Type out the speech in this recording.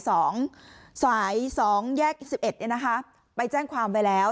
สาย๒แยก๑๑เนี่ยนะคะไปแจ้งความไปแล้ว